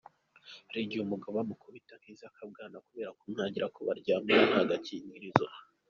Hari igihe umugabo we amukubita nk’iz’akabwana kubera kumwangira ko baryamana nta gakingirizo.